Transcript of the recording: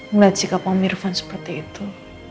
melihat sikap om irfan seperti itu